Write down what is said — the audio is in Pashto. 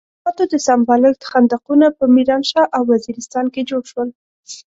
د کثافاتو د سمبالښت خندقونه په ميرانشاه او وزيرستان کې جوړ شول.